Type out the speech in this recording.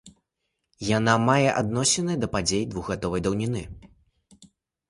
Яна мае адносіны да падзей двухгадовай даўніны.